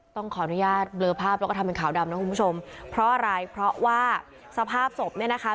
ต้องขออนุญาตเบลอภาพแล้วก็ทำเป็นขาวดำนะคุณผู้ชมเพราะอะไรเพราะว่าสภาพศพเนี่ยนะคะ